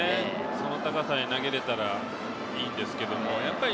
その高さに投げれたらいいんですけど。